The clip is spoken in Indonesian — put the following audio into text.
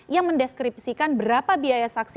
yang mendeskripsikan berapa biaya saksi